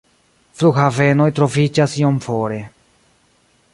Flughavenoj troviĝas iom fore.